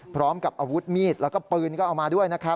พร้อมกับอาวุธมีดแล้วก็ปืนก็เอามาด้วยนะครับ